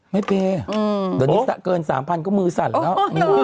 ไม่เปย์เดี๋ยวนี้เกิน๓๐๐ก็มือสั่นแล้ว